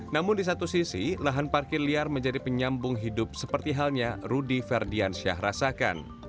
namun di satu sisi lahan parkir liar menjadi penyambung hidup seperti halnya rudy ferdiansyah rasakan